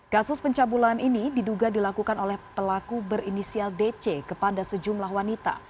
kasus pencabulan ini diduga dilakukan oleh pelaku berinisial dc kepada sejumlah wanita